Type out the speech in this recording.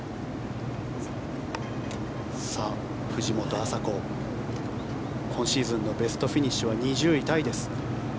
藤本麻子、今シーズンのベストフィニッシュは２０位タイです。